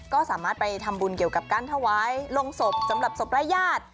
ก็สามารถไปทำบุญเกี่ยวกับการถวายลงศพสำหรับศพและญาติ